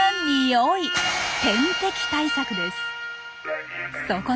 天敵対策です。